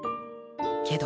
けど。